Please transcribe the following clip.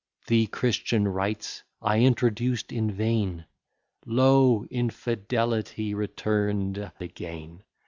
The Christian rites I introduced in vain: Lo! infidelity return'd again!